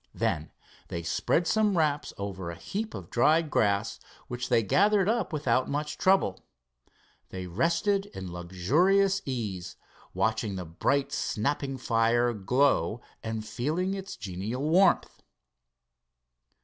Then they spread some wraps over a heap of dried grass, which they gathered up without much trouble. They rested in luxurious ease, watching the bright, snapping fire glow and feeling its genial warmth.